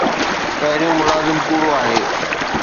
پهريون ملازم ڪوڙو آهي